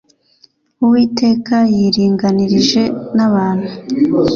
uwiteka yiringanirije nabantu.